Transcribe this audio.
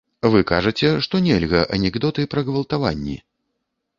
Вы кажаце, што нельга анекдоты пра гвалтаванні.